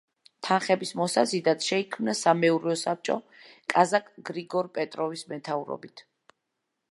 თანხების მოსაზიდად შეიქმნა სამეურვეო საბჭო კაზაკ გრიგორ პეტროვის მეთაურობით.